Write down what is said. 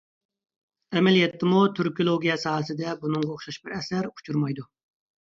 ئەمەلىيەتتىمۇ تۈركولوگىيە ساھەسىدە بۇنىڭغا ئوخشاش بىر ئەسەر ئۇچرىمايدۇ.